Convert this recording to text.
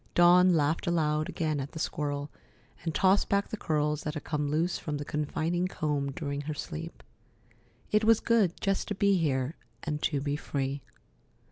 Dawn laughed aloud again at the squirrel, and tossed back the curls that had come loose from the confining comb during her sleep. It was good just to be here and to be free.